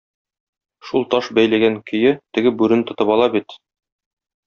Шул таш бәйләгән көе, теге бүрене тотып ала бит.